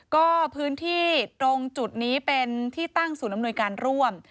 ก็พื้นที่ตรงจุดนี้เป็นที่ตั้งศูนย์อำนวยการร่วม